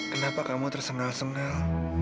kenapa kamu tersengal sengal